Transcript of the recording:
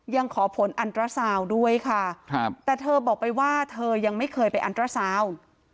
ยังขอผลอันตราซาวด้วยค่ะครับแต่เธอบอกไปว่าเธอยังไม่เคยไปอันตราซาวน์